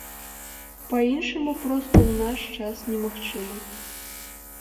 Па-іншаму проста ў наш час немагчыма.